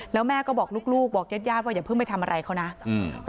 แล้วแม่ก็บอกลูกลูกบอกญาติญาติว่าอย่าเพิ่งไปทำอะไรเขานะอืม